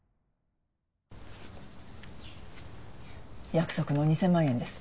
約束の２，０００万円です。